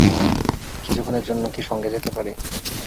কিছুক্ষণের জন্য কি সঙ্গে যেতে পারি।